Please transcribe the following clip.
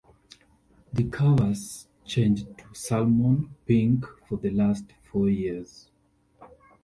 The covers changed to salmon pink for the last four years.